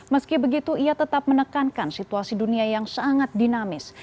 meski begitu ia tetap menekankan situasi dunia yang sangat dinamis